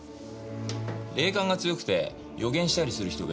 霊感が強くて予言したりする人がいるでしょう。